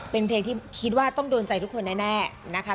เป็นเพลงที่คิดว่าต้องโดนใจทุกคนแน่นะคะ